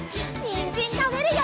にんじんたべるよ！